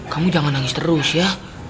kamu jangan nangis terus ya